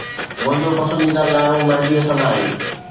منهنجو پسنديده ڳائڻو مهدي حسن آهي.